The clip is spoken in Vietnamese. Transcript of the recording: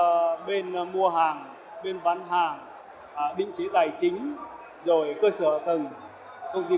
các bên mua hàng bên bán hàng định trí tài chính rồi cơ sở tầng công ty công nghệ